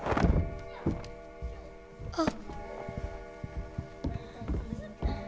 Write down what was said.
あっ。